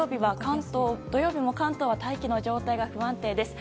土曜日も、関東は大気の状態が不安定です。